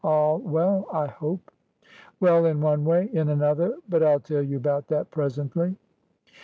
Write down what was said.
All well, I hope?" "Well in one way; in anotherbut I'll tell you about that presently."